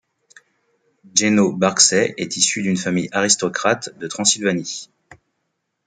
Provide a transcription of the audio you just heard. Jenő Barcsay est issu d'une famille aristocrate de Transylvanie.